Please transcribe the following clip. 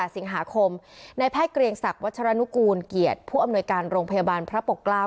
สิงหาคมในแพทย์เกรียงศักดิ์วัชรนุกูลเกียรติผู้อำนวยการโรงพยาบาลพระปกเกล้า